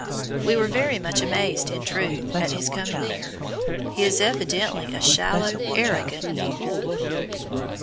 We were very much amazed, in truth, at his coming here. He is evidently a shallow, arrogant youth.